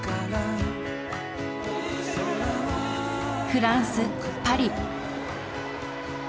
フランス・パリ。